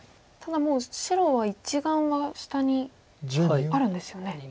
ただもう白は１眼は下にあるんですよね。